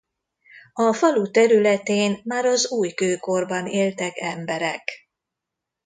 A falu területén már az újkőkorban éltek emberek.